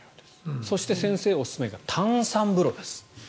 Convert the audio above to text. そして、先生がおすすめなのが炭酸風呂です。